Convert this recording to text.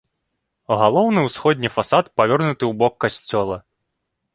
Галоўны ўсходні фасад павернуты ў бок касцёла.